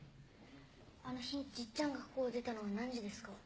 あの日じっちゃんがここを出たのは何時ですか？